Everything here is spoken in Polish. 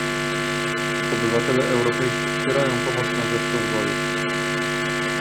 Obywatele europejscy popierają pomoc na rzecz rozwoju